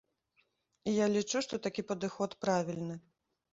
І я лічу, што такі падыход правільны.